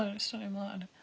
それもある。